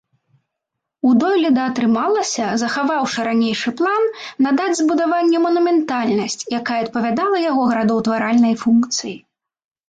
У дойліда атрымалася, захаваўшы ранейшы план, надаць збудаванню манументальнасць, якая адпавядала яго градаўтваральнай функцыі.